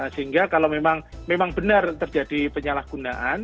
sehingga kalau memang benar terjadi penyalahgunaan